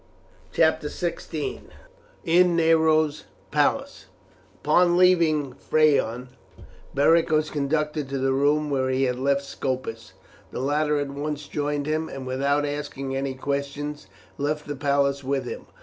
CHAPTER XVI: IN NERO'S PALACE Upon leaving Phaon, Beric was conducted to the room where he had left Scopus. The latter at once joined him, and without asking any questions left the palace with him.